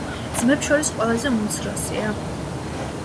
ძმებს შორის ყველაზე უმცროსია.